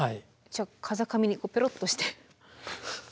じゃあ風上にこうペロっとして。